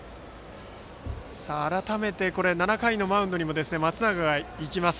改めて、７回のマウンドにも松永が行きます。